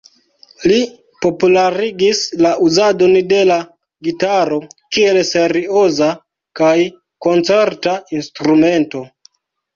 Li popularigis la uzadon de la gitaro kiel serioza kaj koncerta instrumento.